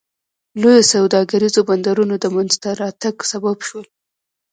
لویو سوداګریزو بندرونو د منځته راتګ سبب شول.